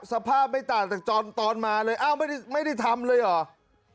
สภาพไม่ต่างจากตอนมาเลยอ้าวไม่ได้ทำเลยเหรอ